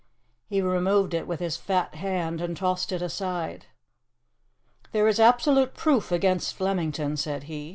He removed it with his fat hand, and tossed it aside. "There is absolute proof against Flemington," said he.